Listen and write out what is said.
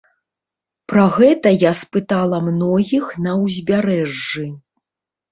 Пра гэта я спытала многіх на ўзбярэжжы.